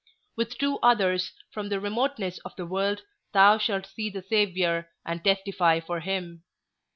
With two others, from the remotenesses of the world, thou shalt see the Saviour, and testify for him.